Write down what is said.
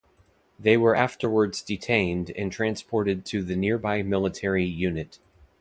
They were afterwards detained and transported to the nearby military unit.